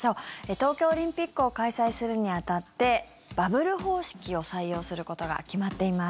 東京オリンピックを開催するに当たってバブル方式を採用することが決まっています。